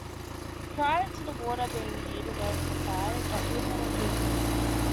Prior to the water being heated over the fire, but little wind is emitted.